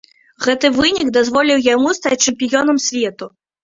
Гэты вынік дазволіў яму стаць чэмпіёнам свету.